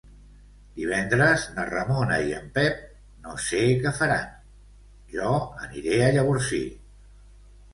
Divendres na Ramona i en Pep aniré a Llavorsí.